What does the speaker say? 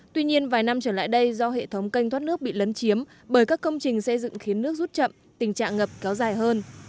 tuy nhiên vài năm trở lại đây do hệ thống kênh thoát nước bị lấn chiếm bởi các công trình xây dựng khiến nước rút chậm tình trạng ngập kéo dài hơn